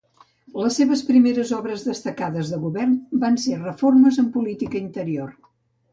Les seves primeres obres destacades de govern van ser reformes en política interior.